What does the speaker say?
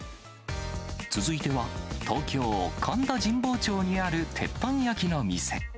続いては、東京・神田神保町にある鉄板焼きの店。